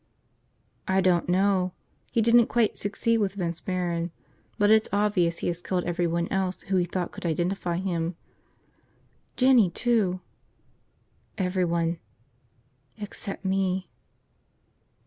"I don't know. He didn't quite succeed with Vince Barron, but it's obvious he has killed everyone else who he thought could identify him." "Jinny, too!" "Everyone." "Except me."